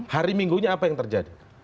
hari minggunya apa yang terjadi